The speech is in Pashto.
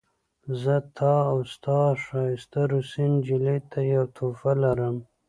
زه تا او ستا ښایسته روسۍ نجلۍ ته یوه تحفه لرم